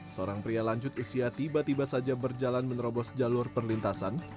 seorang pria lanjut usia tiba tiba saja berjalan menerobos jalur perlintasan